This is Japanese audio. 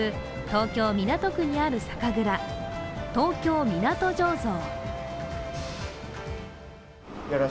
東京・港区にある酒蔵東京港醸造。